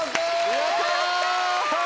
やった！